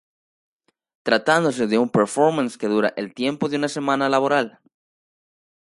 Tratándose de un performance que dura el tiempo de una semana laboral.